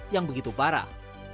yang begitu parah